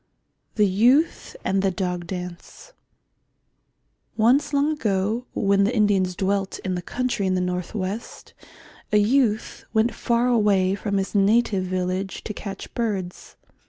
THE YOUTH AND THE DOG DANCE Once long ago, when the Indians dwelt in the country in the north west, a youth went far away from his native village to catch birds.